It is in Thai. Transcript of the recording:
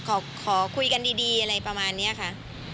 เขาเอ่อก็ขอคุยกันดีอะไรประมาณนี้ค่ะ